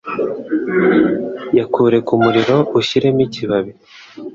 Yakure ku muriro ushyiremo ikibabi